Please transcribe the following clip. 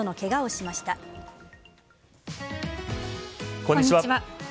こんにちは。